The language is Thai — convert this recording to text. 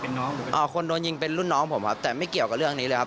เป็นน้องผมอ่าคนโดนยิงเป็นรุ่นน้องผมครับแต่ไม่เกี่ยวกับเรื่องนี้เลยครับ